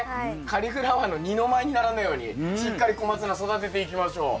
カリフラワーの二の舞にならないようにしっかりコマツナ育てていきましょう。